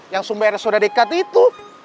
yang sumpah rs sudah dekat itu